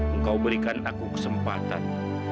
engkau berikan aku kesempatan